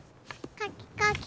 かきかき。